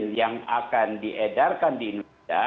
yang akan diedarkan di indonesia